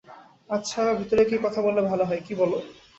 আচ্ছা, ভেতরে গিয়ে কথা বললে ভাল হয়, কী বলো?